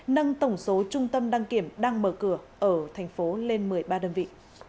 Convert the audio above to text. nâng tổng số trung tâm đăng kiểm đang mở cửa ở thành phố lên một mươi ba đơn vị